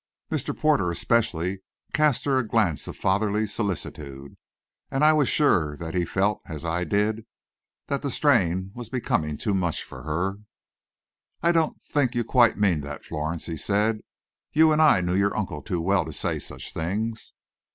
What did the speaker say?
Mr. Porter, especially, cast an her a glance of fatherly solicitude, and I was sure that he felt, as I did, that the strain was becoming too much for her. "I don't think you quite mean that, Florence," he said; "you and I knew your uncle too well to say such things."